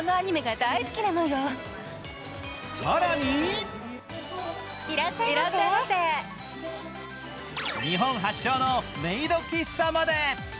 更に日本発祥のメイド喫茶まで。